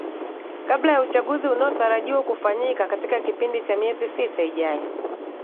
kabla ya uchaguzi unaotarajiwa kufanyika katika kipindi cha miezi sita ijayo